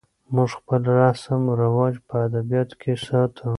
موږ خپل رسم و رواج په ادبیاتو کې ساتو.